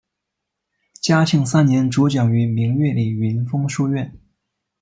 嘉庆三年主讲于明月里云峰书院。